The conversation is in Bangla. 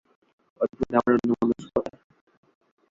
অদ্ভুত আমার অন্যমনস্কতা!